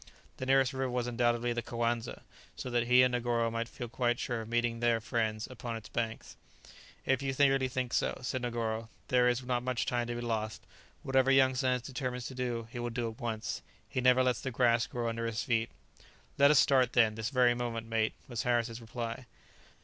The nearest river was undoubtedly the Coanza, so that he and Negoro might feel quite sure of meeting "their friends" upon its banks. "If you really think so," said Negoro, "there is not much time to be lost; whatever young Sands determines to do, he will do at once: he never lets the grass grow under his feet." "Let us start, then, this very moment, mate," was Harris's reply.